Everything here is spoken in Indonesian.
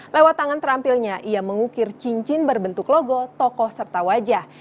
lewat tangan terampilnya ia mengukir cincin berbentuk logo tokoh serta wajah